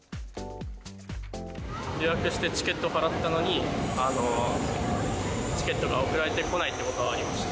予約してチケット払ったのに、チケットが送られてこないってことがありました。